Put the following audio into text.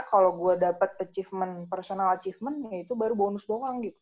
kalau gue dapet achievement personal achievementnya itu baru bonus doang gitu